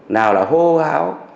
nào là hô háo